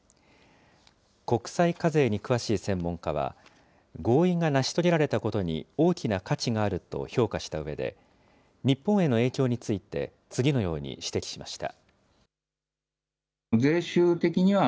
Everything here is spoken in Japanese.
国際課税に詳しい専門家は、合意が成し遂げられたことに大きな価値があると評価したうえで、日本への影響について次のように指摘しました。